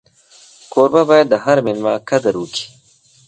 کوربه باید د هر مېلمه قدر وکړي.